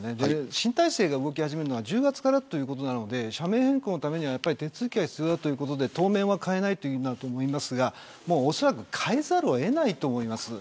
新体制が動き始めるのが１０月からということなので社名変更のためには手続きが必要だということで当面は変えないんだと思いますがおそらく、変えざるを得ないと思います。